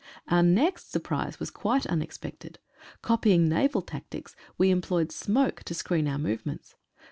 Our next surprise was quite unexpected. Copying naval tactics we employed smoke to screen our movements.